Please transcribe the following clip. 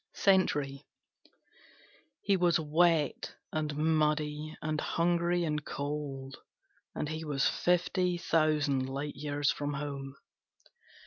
Sentry He was wet and muddy and hungry and cold, and he was fifty thousand light years from home.